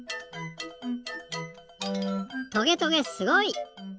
トゲトゲすごい！